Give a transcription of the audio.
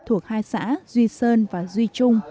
thuộc hai xã duy sơn và duy trung